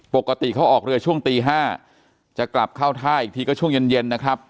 ปกติเขาออกเรือช่วงตี๕จะกลับเข้าท่าอีกทีก็ช่วงเย็นนะครับ